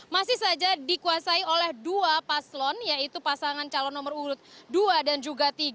masih saja dikuasai oleh dua paslon yaitu pasangan calon nomor urut dua dan juga tiga